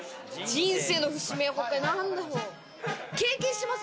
人生の節目、なんだろう？経験してます？